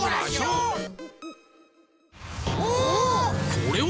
これは！